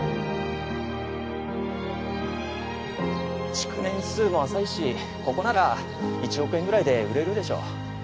築年数も浅いしここなら１億円ぐらいで売れるでしょ。